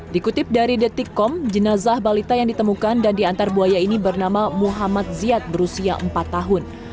dikutip dari detikkom jenazah balita yang ditemukan dan diantar buaya ini bernama muhammad ziad berusia empat tahun